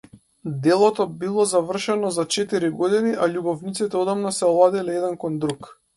Делото било завршено за четири години, а љубовниците одамна се оладиле еден кон друг.